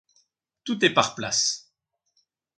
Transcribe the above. Tout est par places.